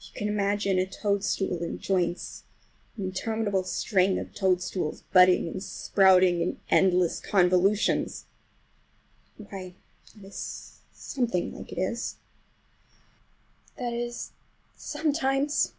If you can imagine a toadstool in joints, an interminable string of toadstools, budding and sprouting in endless convolutions,—why, that is something like it. That is, sometimes!